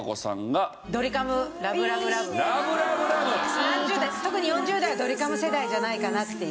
３０代特に４０代はドリカム世代じゃないかなっていう。